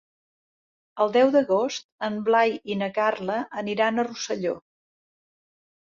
El deu d'agost en Blai i na Carla aniran a Rosselló.